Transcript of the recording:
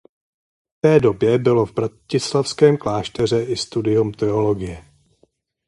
V té době bylo v bratislavském klášteře i studium teologie.